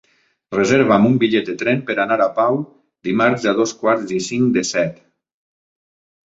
Reserva'm un bitllet de tren per anar a Pau dimarts a dos quarts i cinc de set.